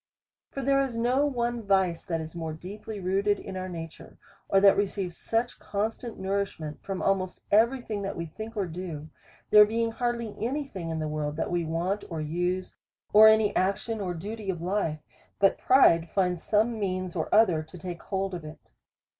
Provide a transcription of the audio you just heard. For there is no one vice that is more deeply rooted in our nature, or that receives such constant nourish ment from almost every thing that we think or do. — There being hardly any thing in the world that we want or use, or any action or duty of life, but pride finds some means or other to take hold of it.